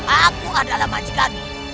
aku adalah majikani